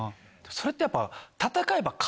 それってやっぱ。